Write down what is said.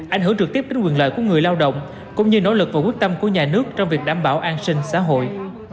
ảnh hưởng trực tiếp đến quyền lợi của người lao động cũng như nỗ lực và quyết tâm của nhà nước trong việc đảm bảo an sinh xã hội